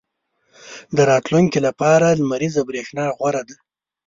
• د راتلونکي لپاره لمریزه برېښنا غوره ده.